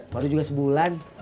baru juga sebulan